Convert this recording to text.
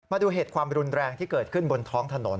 มาดูเหตุความรุนแรงที่เกิดขึ้นบนท้องถนน